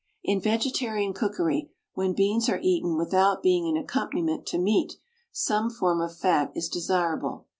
In vegetarian cookery, when beans are eaten without being an accompaniment to meat, some form of fat is desirable.